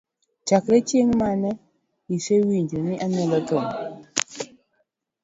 Chakre ching mane isewinjo ni amielo thum?